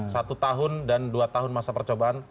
satu tahun dan dua tahun masa percobaan